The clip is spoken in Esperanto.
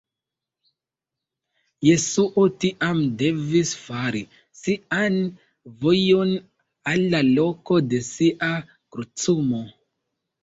Jesuo tiam devis fari sian vojon al la loko de sia krucumo.